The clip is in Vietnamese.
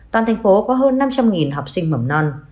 toàn thành phố có hơn năm trăm linh học sinh mầm non